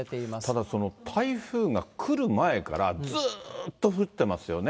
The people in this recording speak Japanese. ただ、台風が来る前から、ずっと降ってますよね。